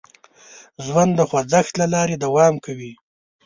ژوند د خوځښت له لارې دوام کوي.